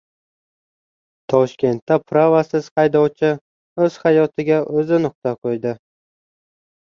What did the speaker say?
Toshkentda " prava"siz haydovchi o‘z hayotiga o‘zi nuqta qo‘ydi